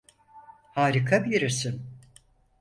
Harika bir isim.